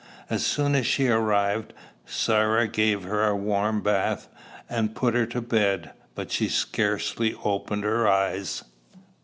As soon as she arrived, Sarah gave her a warm bath, and put her to bed; but she scarcely opened her eyes.